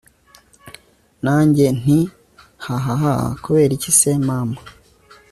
nanjye nti hhhm! kuberiki se mama!